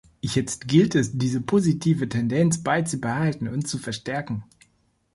Jetzt gilt es, diese positive Tendenz beizubehalten und zu verstärken.